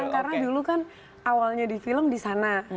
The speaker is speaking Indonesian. karena dulu kan awalnya di film di sana